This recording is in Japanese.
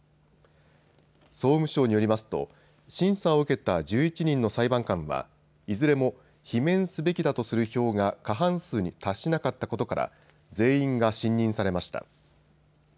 総務省によりますと審査を受けた１１人の裁判官はいずれも罷免すべきだとする票が過半数に達しなかったことから全員が信任されました。